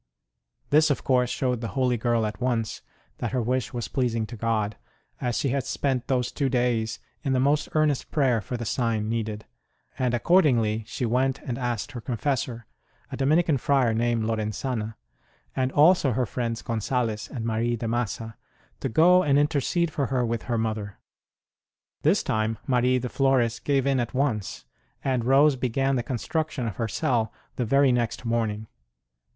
This of course showed the holy girl at once that her wish was pleasing to God, as she had spent those two days in the most earnest prayer for the sign needed ; and accordingly she went and asked her confessor (a Dominican friar named Lorenzana), and also her friends Gonzalez and 104 ST ROSE OF LIMA Marie de Massa, to go and intercede for her with her mother. This time Marie de Flores gave in at once ; and Rose began the construction of her cell the very next morning.